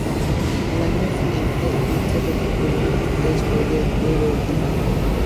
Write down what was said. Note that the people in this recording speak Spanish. El año siguiente, el se refugió en las Tres Joyas del budismo.